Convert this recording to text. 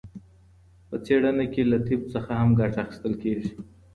په څېړنه کې له طب څخه هم ګټه اخیستل کیږي.